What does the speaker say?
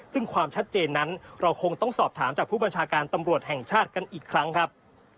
ซึ่งความชัดเจนนั้นเราคงต้องสอบถามจากผู้บัญชาการตำรวจแห่งชาติกันอีกครั้งครับ